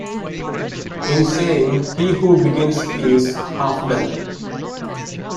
In saying, He who begins is half done.